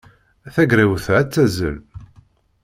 Tagrawt-a ad tazzel.